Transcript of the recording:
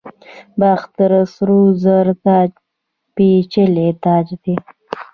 د باختر سرو زرو تاج پیچلی تاج دی